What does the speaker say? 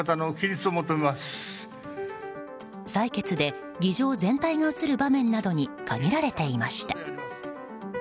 採決で議場全体が映る場面などに限られていました。